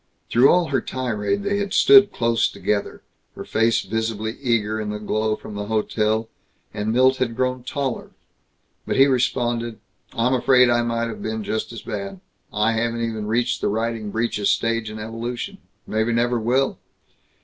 Through all her tirade they had stood close together, her face visibly eager in the glow from the hotel; and Milt had grown taller. But he responded, "I'm afraid I might have been just as bad. I haven't even reached the riding breeches stage in evolution. Maybe never will."